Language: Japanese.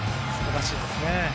素晴らしいですね。